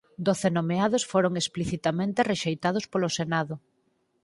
Doce nomeados foron explicitamente rexeitados polo Senado.